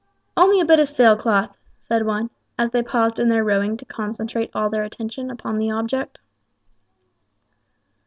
"Only a bit of sail cloth," said one, as they paused in their rowing to concentrate all their attention upon the object.